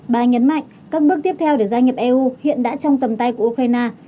bà nhấn mạnh các bước tiếp theo để gia nhập eu hiện đã trong tầm tay của ukraine